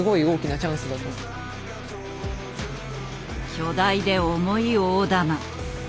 巨大で重い大玉。